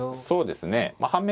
そうですねまあ